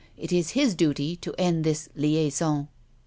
" It is his duty to end this liaison."